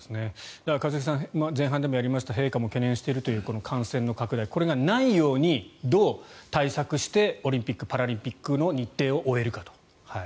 一茂さん前半でもやりましたが陛下も懸念しているという感染拡大がないようにどう対策してオリンピック・パラリンピックの日程を終えるかと。